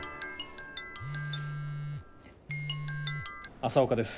朝岡です。